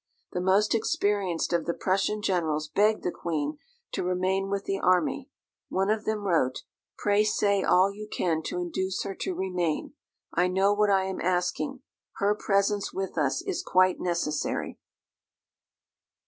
The most experienced of the Prussian generals begged the Queen to remain with the army. One of them wrote, "Pray say all you can to induce her to remain. I know what I am asking; her presence with us is quite necessary."